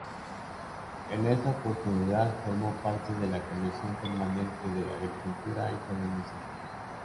En esta oportunidad formó parte de la comisión permanente de Agricultura y Colonización.